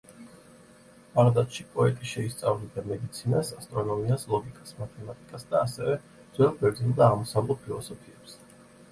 ბაღდადში პოეტი შეისწავლიდა მედიცინას, ასტრონომიას, ლოგიკას, მათემატიკას და ასევე ძველ ბერძნულ და აღმოსავლურ ფილოსოფიებს.